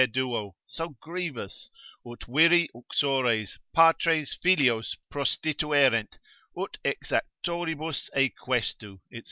2, so grievous, ut viri uxores, patres filios prostituerent ut exactoribus e questu, &c.